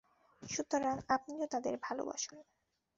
সুতরাং আপনিও তাদের ভালবাসুন।